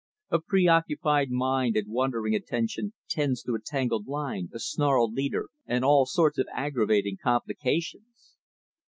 A preoccupied mind and wandering attention tends to a tangled line, a snarled leader, and all sorts of aggravating complications.